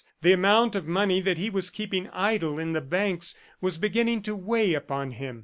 The amount of money that he was keeping idle in the banks was beginning to weigh upon him.